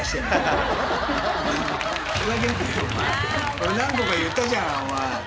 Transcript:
俺何個か言ったじゃんお前。